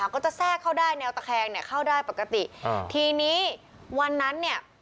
ก็ซี้ก็ดีในอัวตะแคงเข้าได้ปกติทีนี้วันนั้นเนี่ย